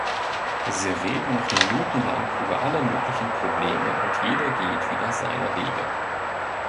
Sie reden noch minutenlang über alle möglichen Probleme und jeder geht wieder seiner Wege.